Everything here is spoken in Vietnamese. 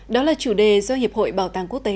đó là chủ đề do hiệp hội bảo tàng quốc tế